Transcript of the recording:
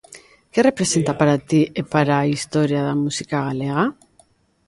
Que representa para ti e para a historia da música galega?